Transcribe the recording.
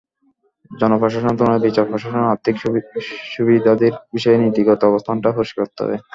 জনপ্রশাসনের তুলনায় বিচার প্রশাসনের আর্থিক সুবিধাদির বিষয়ে নীতিগত অবস্থানটা পরিষ্কার করতে হবে।